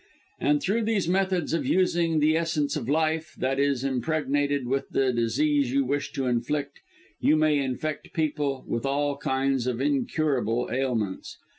"And through these methods of using the essence of life, that is impregnated with the disease you wish to inflict you may infect people with all kinds of incurable ailments.